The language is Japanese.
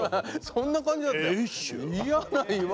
そんな感じだったよ。